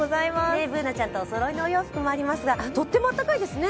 Ｂｏｏｎａちゃんとおそろいのお洋服もありますが、とっても暖かいですね。